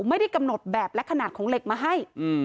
ไม่ได้กำหนดแบบและขนาดของเหล็กมาให้